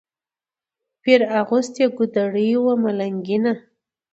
پیر اغوستې ګودړۍ وه ملنګینه